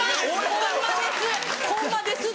ホンマですって。